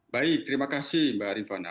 baik terima kasih mbak rifana